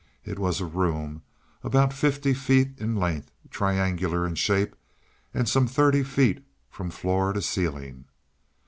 It was a room about fifty feet in length, triangular in shape, and some thirty feet from floor to ceiling.